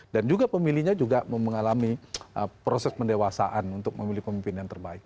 dan juga pemilihnya juga mengalami proses mendewasaan untuk memilih pemimpin yang terbaik